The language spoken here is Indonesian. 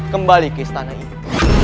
kembali ke istana ini